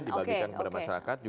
dibagikan kepada masyarakat